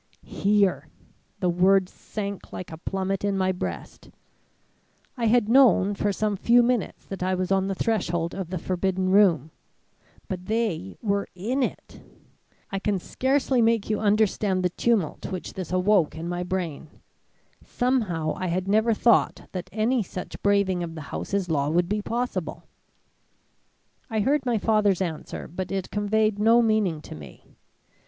"Here! The word sank like a plummet in my breast. I had known for some few minutes that I was on the threshold of the forbidden room; but they were in it. I can scarcely make you understand the tumult which this awoke in my brain. Somehow, I had never thought that any such braving of the house's law would be possible. "I heard my father's answer, but it conveyed no meaning to me.